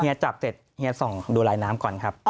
จับเสร็จเฮียส่องดูลายน้ำก่อนครับ